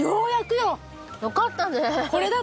よかったね。